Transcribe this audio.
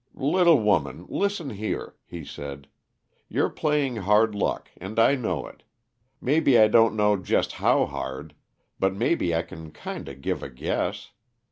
"Little woman, listen here," he said. "You're playing hard luck, and I know it; maybe I don't know just how hard but maybe I can kinda give a guess.